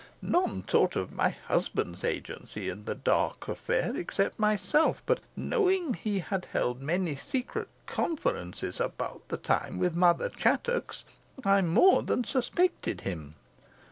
None thought of my husband's agency in the dark affair except myself; but knowing he had held many secret conferences about the time with Mother Chattox, I more than suspected him.